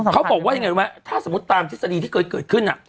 เขาบอกว่าตามทฤษฎีที่เกิดขึ้นน่ะ